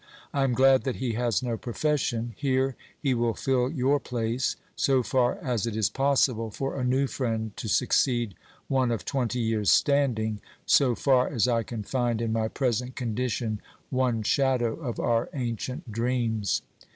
I am glad that he has no profession. Here he will fill your place, so far as it is possible for a new friend to succeed one of twenty years' standing, so far as I can find in my present condition one shadow of our ancient dreams.